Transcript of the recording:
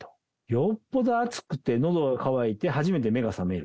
よっぽど暑くて、のどが渇いて初めて目が覚める。